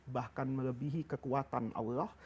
bahkan melebihi kekuatan allah